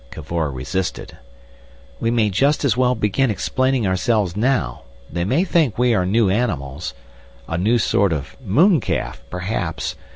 Cavor resisted. "We may just as well begin explaining ourselves now. They may think we are new animals, a new sort of mooncalf perhaps!